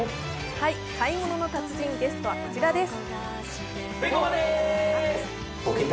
「買い物の達人」、ゲストはこちらです。